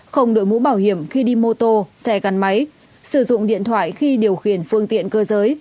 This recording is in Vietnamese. không đội mũ bảo hiểm khi đi mô tô xe gắn máy sử dụng điện thoại khi điều khiển phương tiện cơ giới